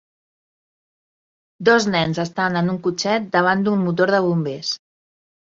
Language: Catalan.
Dos nens estan en un cotxet davant d'un motor de bombers